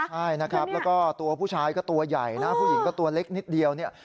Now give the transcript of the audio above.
ใช่นะครับแล้วก็ตัวผู้ชายก็ตัวใหญ่นะผู้หญิงก็ตัวเล็กนิดเดียวเนี่ย